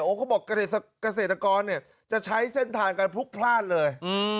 เขาบอกเกษตรกรเนี่ยจะใช้เส้นทางกันพลุกพลาดเลย